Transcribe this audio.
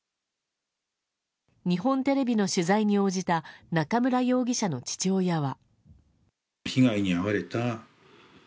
日本テレビの取材に応じた中村容疑者の父親は。